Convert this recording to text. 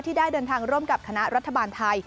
ได้เดินทางร่วมกับคณะรัฐบาลไทย